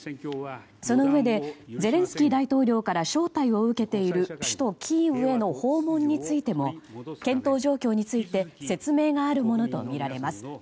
そのうえでゼレンスキー大統領から招待を受けている首都キーウへの訪問についても検討状況について説明があるものとみられます。